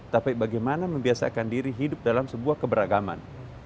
tapi bagaimana membiasakan diri hidup dalam sebuah keberagaman